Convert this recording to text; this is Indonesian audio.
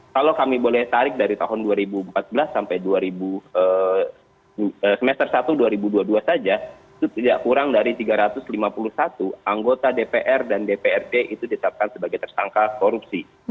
kalau kami boleh tarik dari tahun dua ribu empat belas sampai semester satu dua ribu dua puluh dua saja itu tidak kurang dari tiga ratus lima puluh satu anggota dpr dan dprd itu ditetapkan sebagai tersangka korupsi